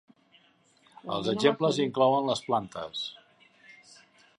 Els exemples inclouen les plantes.